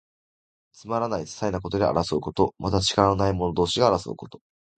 つまらない、ささいなことで争うこと。また、力のない者同士が争うこと。